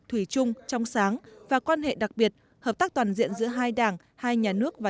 thủy chung trong sáng và quan hệ đặc biệt hợp tác toàn diện giữa hai đảng hai nhà nước và